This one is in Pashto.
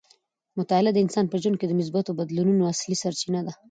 مطالعه د انسان په ژوند کې د مثبتو بدلونونو اصلي سرچینه ده.